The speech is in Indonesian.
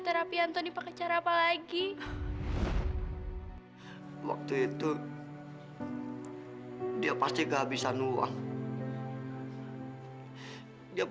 sedangkan aku disini enakan enakan makan tidur